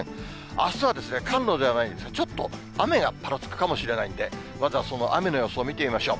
あすは寒露ではないんですが、ちょっと雨がぱらつくかもしれないんで、まずはその雨の予想を見てみましょう。